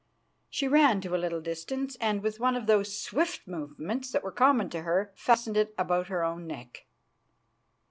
She ran to a little distance, and, with one of those swift movements that were common to her, fastened it about her own neck.